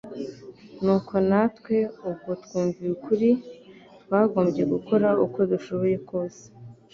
Nuko natwe ubwo twumvira ukuri, twagombye gukora uko dushoboye kose,